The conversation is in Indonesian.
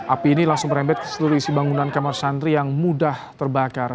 api ini langsung merembet ke seluruh isi bangunan kamar santri yang mudah terbakar